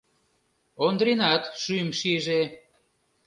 Ондринат шӱм шиже...